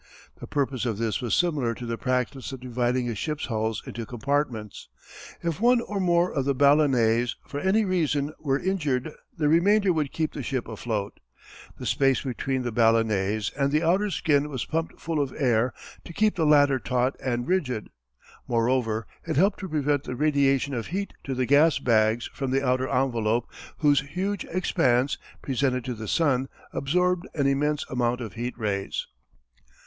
The purpose of this was similar to the practice of dividing a ship's hulls into compartments. If one or more of the ballonets, for any reason, were injured the remainder would keep the ship afloat. The space between the ballonets and the outer skin was pumped full of air to keep the latter taut and rigid. Moreover it helped to prevent the radiation of heat to the gas bags from the outer envelope whose huge expanse, presented to the sun, absorbed an immense amount of heat rays.